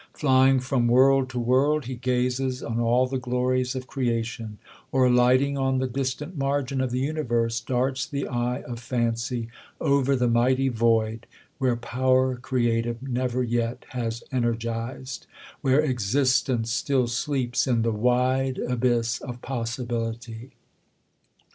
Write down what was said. Flying from world to world, he gazes on all the glories of creation ; or, lighting oh the distant margin of the universe, darts the eye of fancy over the mighty void, where power creative never yet has energized ; where existence still sleeps in the wide abyss of possibility.